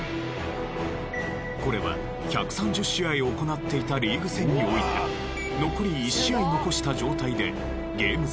これは１３０試合行っていたリーグ戦において残り１試合残した状態でゲーム差